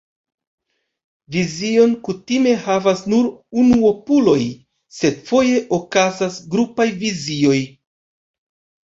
Vizion kutime havas nur unuopuloj, sed foje okazas grupaj vizioj.